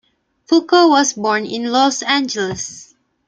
Fulco was born in Los Angeles.